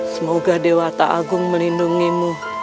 semoga dewa tak agung melindungimu